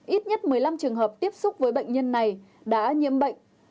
ít nhất một mươi năm trường hợp tiếp xúc với bệnh nhân này đã nhiễm bệnh